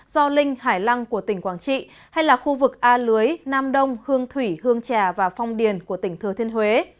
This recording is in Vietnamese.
do linh hải lăng của tỉnh quảng trị hay là khu vực a lưới nam đông hương thủy hương trà và phong điền của tỉnh thừa thiên huế